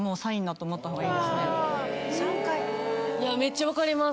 めっちゃ分かります。